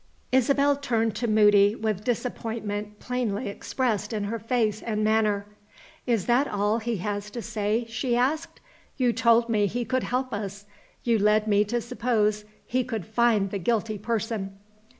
Isabel turned to Moody with disappointment plainly expressed in her face and manner. "Is that all he has to say?" she asked. "You told me he could help us. You led me to suppose he could find the guilty person."